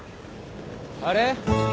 ・あれ？